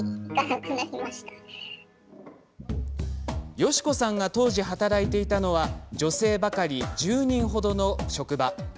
よしこさんが当時働いていたのは女性ばかり１０人程の職場。